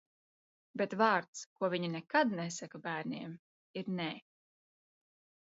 "Bet vārds, ko viņi nekad nesaka bērniem ir "nē"!"